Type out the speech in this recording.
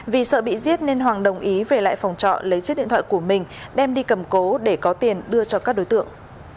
vì sợ bị giết nên hoàng đồng ý về lại phòng trọ lấy chiếc điện thoại của mình đem đi cầm cố để có tiền đưa cho các đối tượng